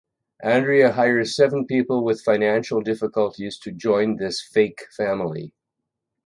Andrea hires seven people with financial difficulties to join this fake family.